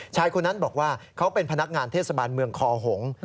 ชายคนนั้นบอกว่าเขาเป็นพนักงานเทศบาลเมืองคอหงษ์